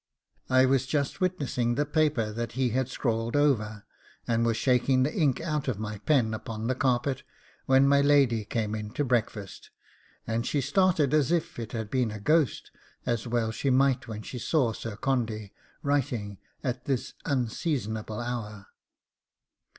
I was just witnessing the paper that he had scrawled over, and was shaking the ink out of my pen upon the carpet, when my lady came in to breakfast, and she started as if it had been a ghost; as well she might, when she saw Sir Condy writing at this unseasonable hour.